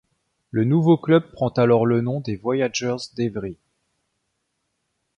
Le nouveau club prend alors le nom des Voyagers d'Évry.